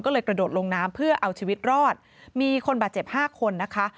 ก็เลยกระโดดลงน้ำเพื่อเอาชีวิตรอดมีคนบาดเจ็บห้าคนนะคะ